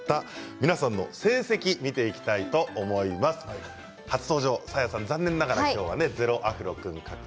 皆さんの成績を見ていきたいと思いますが初登場サーヤさんは残念ながら０アフロ君獲得。